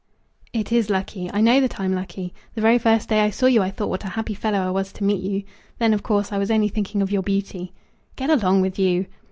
"It is lucky; I know that I'm lucky. The very first day I saw you I thought what a happy fellow I was to meet you. Then, of course, I was only thinking of your beauty." "Get along with you!"